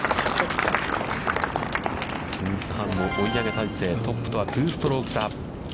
スンス・ハンも追い上げ態勢、トップとは２ストローク差。